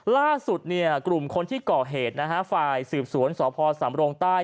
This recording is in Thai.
ล่าสุดกลุ่มคนที่ก่อเหตุฝ่ายสืบสวนสพสำโลงไต้